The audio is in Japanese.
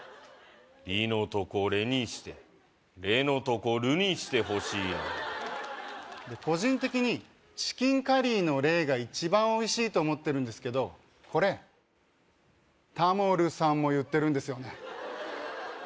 「リ」のとこ「レ」にして「レ」のとこ「ル」にしてほしいな個人的にチキンカリーのレーが一番おいしいと思ってるんですけどこれタモルさんも言ってるんですよね